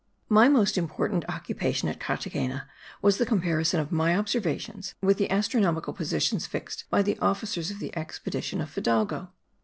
My most important occupation at Carthagena was the comparison of my observations with the astronomical positions fixed by the officers of the expedition of Fidalgo.